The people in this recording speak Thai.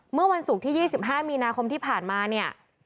เมื่อวันศุกร์ที่๒๕มีนาคมที่ผ่านมาเนี่ย